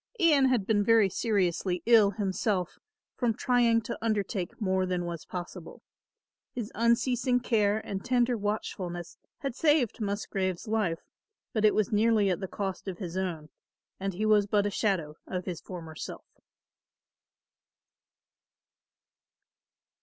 Ian had been very seriously ill himself from trying to undertake more than was possible. His unceasing care and tender watchfulness had saved Musgrave's life, but it was nearly at the cost of his own and he was but a shadow of his former self.